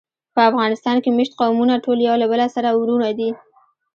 په افغانستان کې مېشت قومونه ټول یو له بله سره وروڼه دي.